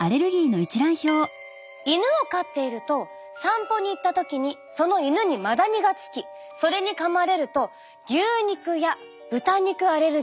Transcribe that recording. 犬を飼っていると散歩に行った時にその犬にマダニがつきそれにかまれると牛肉や豚肉アレルギーに。